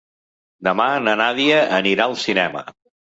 Demà na Nàdia anirà al cinema.